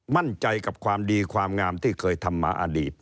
มั่นใจกับความดีความงามที่เคยทำมาอดีต